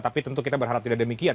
tapi tentu kita berharap tidak demikian